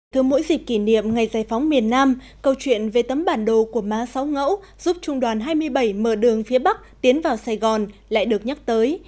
từ mỗi dịp kỷ niệm ngày giải phóng miền nam câu chuyện về tấm bản đồ của má sáu ngẫu giúp trung đoàn hai mươi bảy mở đường phía bắc tiến vào sài gòn lại được nhắc tới